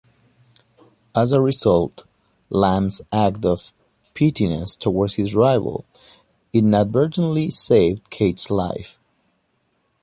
As a result, Lamb's act of pettiness towards his rival inadvertently saved Keith's life.